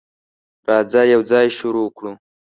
راځه، یوځای شروع کړو.